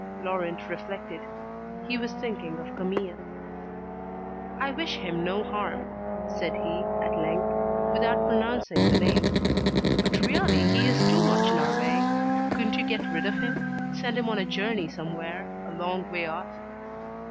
Laurent reflected. He was thinking of Camille. "I wish him no harm," said he at length, without pronouncing the name: "but really he is too much in our way. Couldn't you get rid of him, send him on a journey somewhere, a long way off?"